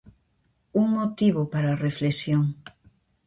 Un motivo para a reflexión.